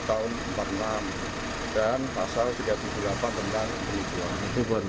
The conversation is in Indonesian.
tahun seribu sembilan ratus empat puluh enam dan pasal tiga ratus tujuh puluh delapan tentang penipuan